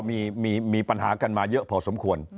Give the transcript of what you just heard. มีปัญหากันมาเยอะพอสมควร